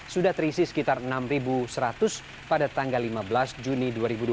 sudah terisi sekitar enam seratus pada tanggal lima belas juni dua ribu dua puluh